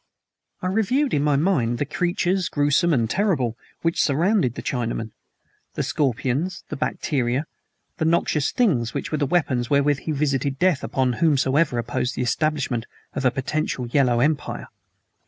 I reviewed in my mind the creatures gruesome and terrible which surrounded the Chinaman the scorpions, the bacteria, the noxious things which were the weapons wherewith he visited death upon whomsoever opposed the establishment of a potential Yellow Empire.